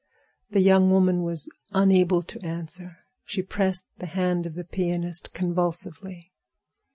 The young woman was unable to answer; she pressed the hand of the pianist convulsively.